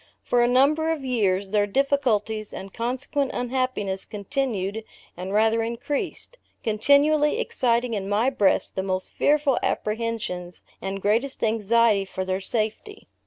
For a number of years their difficulties, and consequent unhappiness, continued and rather increased, continually exciting in my breast the most fearful apprehensions, and greatest anxiety for their safety.